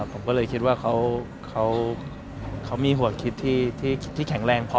ผมก็เลยคิดว่าเขามีหัวคิดที่แข็งแรงพอ